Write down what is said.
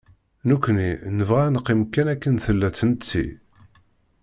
Nekni nebɣa ad neqqim kan akken tella tmetti.